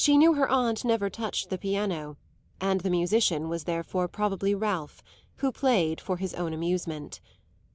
She knew her aunt never touched the piano, and the musician was therefore probably Ralph, who played for his own amusement.